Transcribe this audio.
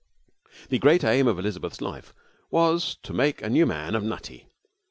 The great aim of Elizabeth's life was to make a new man of Nutty.